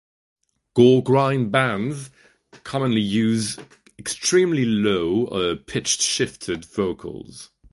Goregrind bands commonly use extremely low or pitch-shifted vocals.